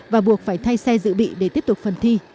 và buộc phải thay xe dự bị để tiếp tục phần thi